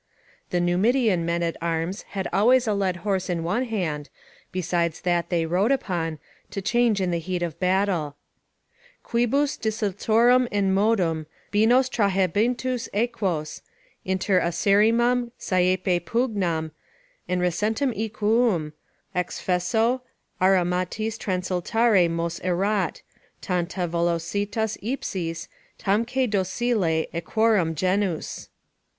The Numidian men at arms had always a led horse in one hand, besides that they rode upon, to change in the heat of battle: "Quibus, desultorum in modum, binos trahentibus equos, inter acerrimam saepe pugnam, in recentem equum, ex fesso, armatis transultare mos erat: tanta velocitas ipsis, tamque docile equorum genus."